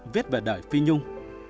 biết về đời phi nhung